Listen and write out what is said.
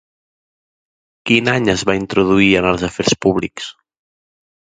Quin any es va introduir en els afers públics?